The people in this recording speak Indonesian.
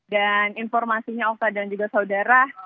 dan informasinya osta dan juga saudara